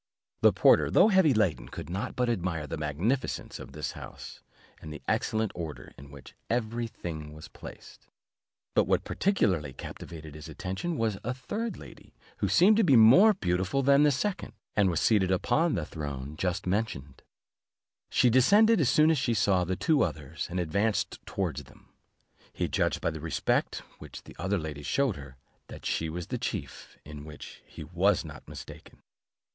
The porter, though heavy laden, could not but admire the magnificence of this house, and the excellent order in which every thing was placed; but what particularly captivated his attention, was a third lady, who seemed to be more beautiful than the second, and was seated upon the throne just mentioned; she descended as soon as she saw the two others, and advanced towards them: he judged by the respect which the other ladies showed her, that she was the chief, in which he was not mistaken.